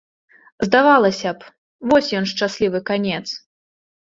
Здавалася б, вось ён шчаслівы канец.